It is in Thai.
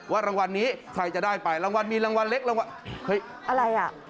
รางวัลนี้ใครจะได้ไปรางวัลมีรางวัลเล็กรางวัลเฮ้ยอะไรอ่ะ